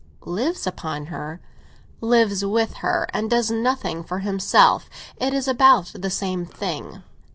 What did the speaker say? "Lives upon her?" "Lives with her, and does nothing for himself; it is about the same thing."